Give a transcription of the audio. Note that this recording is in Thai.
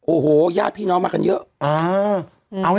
โอ้โฮพี่น้องอาหารมากันเยอะ